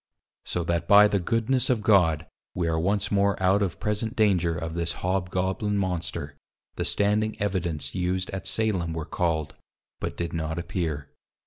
So that by the Goodness of God we are once more out of present danger of this Hobgoblin Monster; the standing Evidence used at Salem were called, but did not appear.